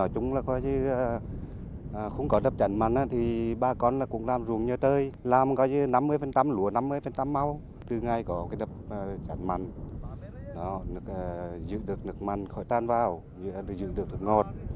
từ ngày có cống đập ngăn mặn dựng được nước mặn khỏi tan vào dựng được nước ngọt